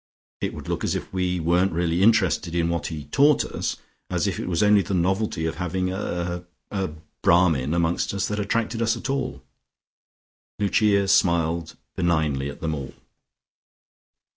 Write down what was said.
It would look as if we weren't really interested in what he taught us, as if it was only the novelty of having a a Brahmin among us that had attracted us." Lucia smiled benignly at them all.